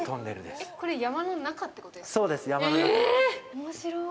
面白い。